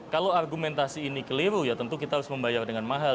kalau argumentasi ini keliru ya tentu kita harus membayar dengan mahal